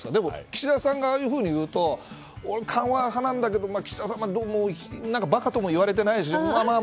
岸田さんがああいうふうに言うと俺、緩和派なんだけど岸田さんは、どうもバカとも言われてないしまあまあ